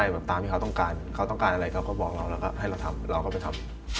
เค้าต้องการอะไรเค้าก็บอกเรา